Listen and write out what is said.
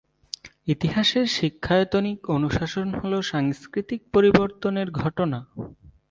ইতিহাসের শিক্ষায়তনিক অনুশাসন হল সাংস্কৃতিক পরিবর্তনের ঘটনা।